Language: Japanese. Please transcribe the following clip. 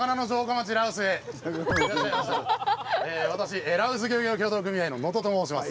私羅臼漁業協同組合の野戸と申します。